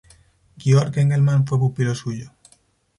Georg Engelmann fue pupilo suyo.